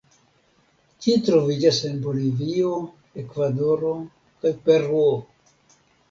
Ĝi troviĝas en Bolivio, Ekvadoro kaj Peruo.